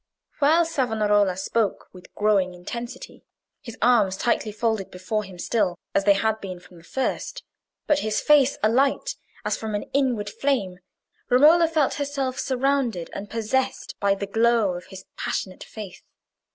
While Savonarola spoke with growing intensity, his arms tightly folded before him still, as they had been from the first, but his face alight as from an inward flame, Romola felt herself surrounded and possessed by the glow of his passionate faith.